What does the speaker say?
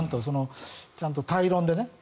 ちゃんと対論でね。